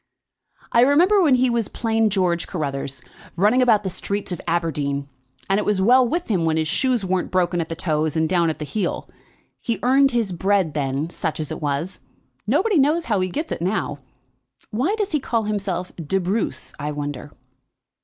"I remember when he was plain George Carruthers, running about the streets of Aberdeen, and it was well with him when his shoes weren't broken at the toes and down at heel. He earned his bread then, such as it was; nobody knows how he gets it now. Why does he call himself de Bruce, I wonder?"